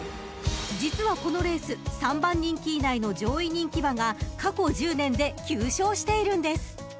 ［実はこのレース３番人気以内の上位人気馬が過去１０年で９勝しているんです］